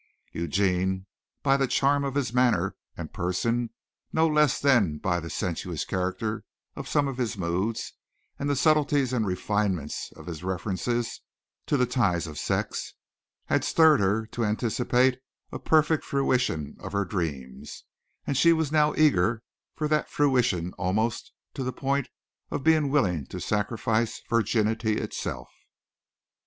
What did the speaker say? Eugene, by the charm of his manner and person, no less than by the sensuous character of some of his moods and the subtleties and refinements of his references to the ties of sex, had stirred her to anticipate a perfect fruition of her dreams, and she was now eager for that fruition almost to the point of being willing to sacrifice virginity itself.